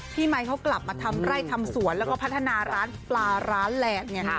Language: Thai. ไมค์เขากลับมาทำไร่ทำสวนแล้วก็พัฒนาร้านปลาร้านแหลกไง